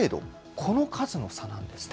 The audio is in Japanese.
この数の差なんですね。